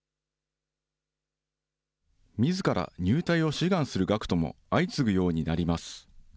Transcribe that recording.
みずから入隊を志願する学徒も相次ぐようになります。